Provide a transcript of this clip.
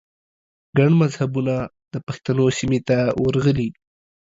ګڼ مذهبونه د پښتنو سیمې ته ورغلي